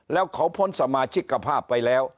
แล้วเขาพ้นสมาชิกภาพไปแล้ว